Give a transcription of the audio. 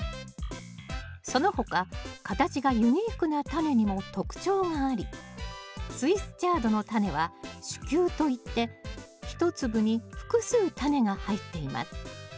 その他形がユニークなタネにも特徴がありスイスチャードのタネは種球といって一粒に複数タネが入っています。